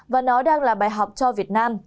và nó đang là bài học cho việt nam